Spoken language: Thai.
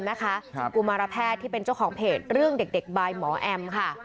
คุณกุมารแพทย์ที่เป็นเจ้าของเพจเรื่องเด็กบายหมอแอมค่ะ